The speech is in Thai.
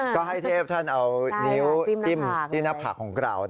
ก็ให้เทพท่านเอานิ้วจิ้มที่หน้าผากของเรา